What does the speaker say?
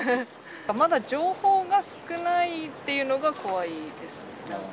まだ情報が少ないっていうのが怖いですね、なんか。